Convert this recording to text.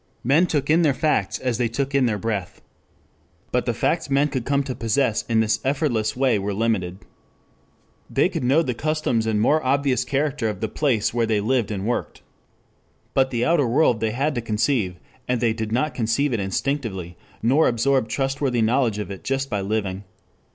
Men took in their facts as they took in their breath. 3 But the facts men could come to possess in this effortless way were limited. They could know the customs and more obvious character of the place where they lived and worked. But the outer world they had to conceive, and they did not conceive it instinctively, nor absorb trustworthy knowledge of it just by living.